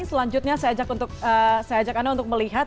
selanjutnya saya ajak anda untuk melihat